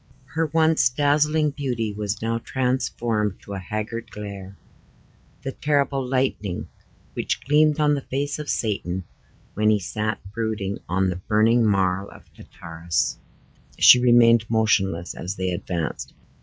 Her once dazzling beauty was now transformed to a haggard glare the terrible lightning which gleamed on the face of Satan, when he sat brooding on the burning marl of Tartarus. She remained motionless as they advanced.